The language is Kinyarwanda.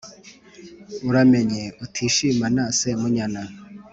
uramenye utishimana semunyana,